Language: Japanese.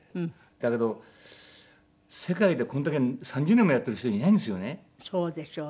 だけど世界でこれだけ３０年もやってる人いないんですよね。